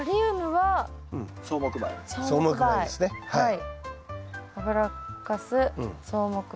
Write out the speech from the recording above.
はい。